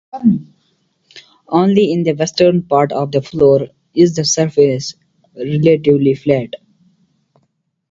Only in the western part of the floor is the surface relatively flat.